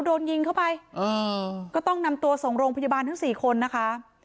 โดนยิงเข้าไปก็ต้องนำตัวส่งโรงพยาบาลทั้งสี่คนนะคะ